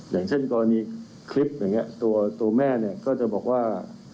อย่างเช่นกรณีคลิปอย่างนี้ตัวแม่เนี่ยก็จะบอกว่า